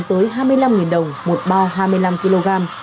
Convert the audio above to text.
tới hai mươi năm đồng một bao hai mươi năm kg